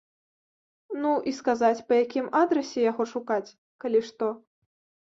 Ну, і сказаць, па якім адрасе яго шукаць, калі што.